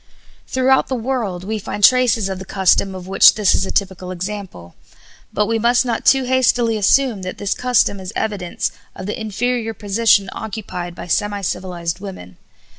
Throughout the world we find traces of the custom of which this is a typical example, but we must not too hastily assume that this custom is evidence of the inferior position occupied by semi civilized women.